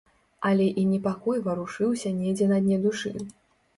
Але і непакой варушыўся недзе на дне душы.